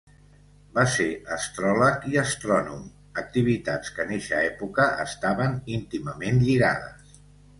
Va ser astròleg i astrònom, activitats que en eixa època estaven íntimament lligades.